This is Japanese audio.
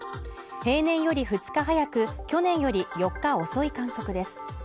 平年より２日早く去年より４日遅い観測です